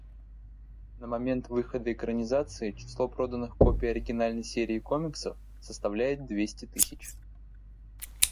На момент выхода экранизации число проданных копий оригинальной серии комиксов составляет двести тысяч.